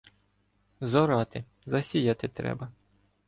Зорати, засіяти треба.